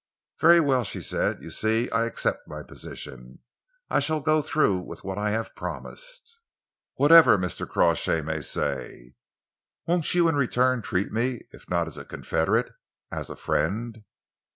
"Very well," she said. "You see, I accept my position. I shall go through with what I have promised, whatever Mr. Crawshay may say. Won't you in return treat me, if not as a confederate, as a friend?"